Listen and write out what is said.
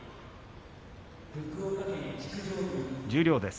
十両です。